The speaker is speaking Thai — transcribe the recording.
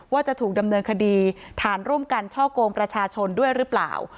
ว่าจะถูกดำเนินคดีฐานร่วมกันช่อกงประชาชนด้วยหรือเปล่า